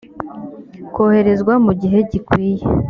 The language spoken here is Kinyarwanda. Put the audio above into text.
koherezwa mu gihe gikwiye